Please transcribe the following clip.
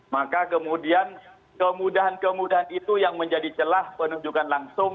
maka kemudian kemudahan kemudahan itu yang menjadi celah penunjukan langsung